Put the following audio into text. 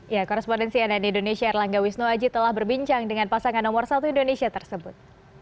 ya korespondensi nni indonesia erlangga wisnuaji telah berbincang dengan pasangan nomor satu indonesia tersebut